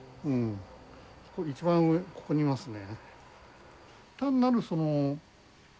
一番上ここにいますね。